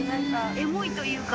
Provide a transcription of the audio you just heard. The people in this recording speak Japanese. エモいというか。